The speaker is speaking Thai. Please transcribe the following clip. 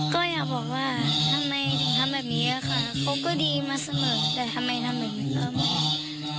ก็อยากบอกว่าทำไมถึงทำแบบนี้ค่ะเขาก็ดีมาเสมอแต่ทำไมทำแบบนี้ครับ